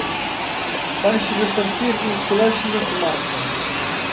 Vaise repartir nos colexios da comarca.